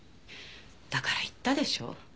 だから言ったでしょう。